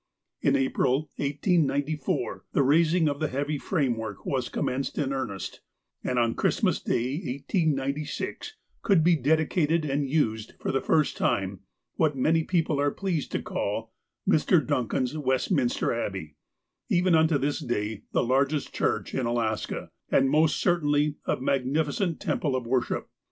In April, 1894, the raising of the heavy framework was commenced in earnest, and, on Christmas Day, 1896, could be dedicated and used for the first time what many peo ple are pleased to call ''Mr. Duncan's Westminster Abbey" (see illustration), even unto this day the largest church in Alaska, and most certainly a magnifi cent temple of worship.